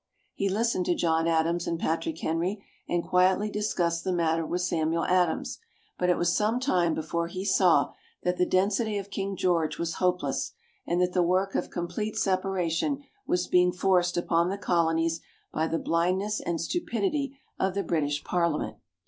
He listened to John Adams and Patrick Henry and quietly discussed the matter with Samuel Adams; but it was some time before he saw that the density of King George was hopeless, and that the work of complete separation was being forced upon the Colonies by the blindness and stupidity of the British Parliament.